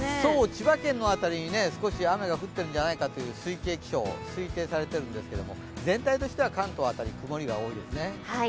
千葉県の辺りに少し雨が降っているんじゃないかと推計されているんですけど、全体としては関東辺り、曇りが多いですね。